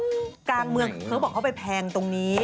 เหมือนฝั่งเมืองเค้าบอกเขาออกไปแพงตรงนี้